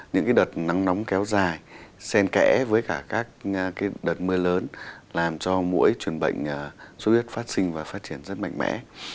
những đợt nắng nóng kéo dài sen kẽ với các đợt mưa lớn làm cho mũi truyền bệnh sốt huyết phát sinh và phát triển rất mạnh mẽ